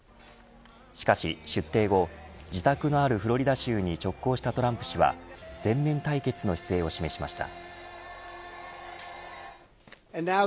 しかし、出廷後自宅のあるフロリダ州に直行したトランプ氏は全面対決の姿勢を示しました。